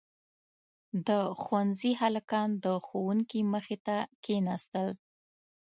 • د ښونځي هلکان د ښوونکي مخې ته کښېناستل.